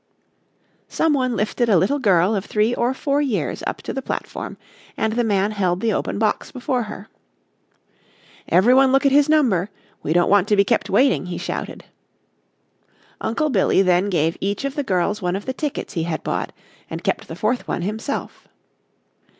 Some one lifted a little girl of three or four years up to the platform and the man held the open box before her. "Everyone look at his number we don't want to be kept waiting," he shouted. Uncle Billy then gave each of the girls one of the tickets he had bought and kept the fourth one himself.